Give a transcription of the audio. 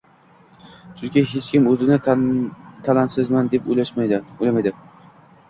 Chunki hech kim o`zini talantsizman, deb o`ylamaydi